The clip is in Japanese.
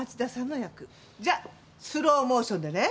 じゃあスローモーションでね。